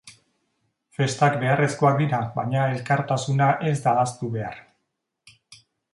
Festak beharrezkoak dira baina, elkartasuna ez da ahaztu behar.